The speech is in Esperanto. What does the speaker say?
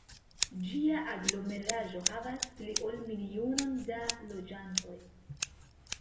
Ĝia aglomeraĵo havas pli ol milionon da loĝantoj.